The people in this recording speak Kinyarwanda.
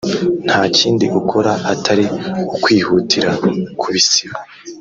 nta kindi ukora atari ukwihutira kubisiba